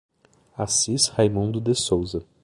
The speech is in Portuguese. Assis Raimundo de Souza